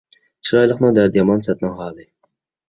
چىرايلىقنىڭ دەردى يامان، سەتنىڭ ھالى